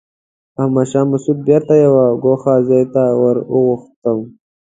احمد شاه مسعود بېرته یوه ګوښه ځای ته ور وغوښتم.